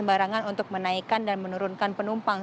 dan juga ada sebarangan untuk menaikkan dan menurunkan penumpang